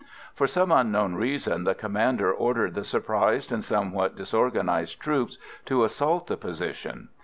For some unknown reason the commander ordered the surprised and somewhat disorganised troops to assault the position.